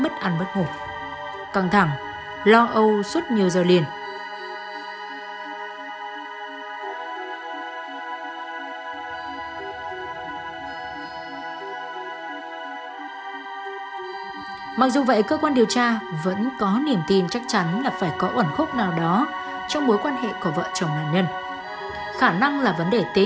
khoảng tối trong quá trình điều tra vẫn có niềm tin chắc chắn là phải có ổn khúc nào đó trong mối quan hệ của vợ chồng nạn nhân